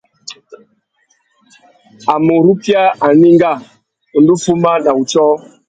A mà urukia anénga, u ndú fuma na wutiō.